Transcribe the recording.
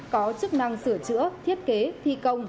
có chức năng sửa chữa thiết kế thi công